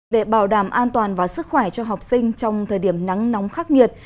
để bảo đảm an toàn và sức khỏe cho học sinh trong thời điểm nắng nóng khắc nghiệt